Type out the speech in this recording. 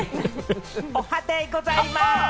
おはデイございます！